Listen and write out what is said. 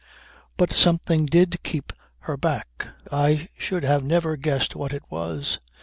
But something did keep her back. I should have never guessed what it was.